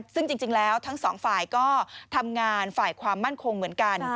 ซึ่งจริงแล้วทั้งสองฝ่ายก็ทำงานฝ่ายความมั่นคงเหมือนกัน